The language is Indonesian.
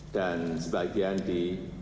dan sebagian di